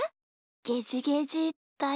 ゲジゲジだよ。